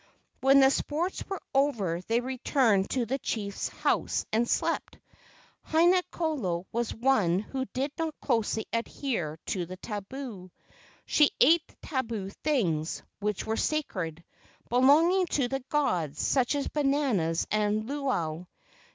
When the sports were over they returned to the chief's house and slept. Haina kolo was one who did not closely adhere to the tabu. She ate the tabu things, which were sacred, belonging to the gods, such as bananas and luau.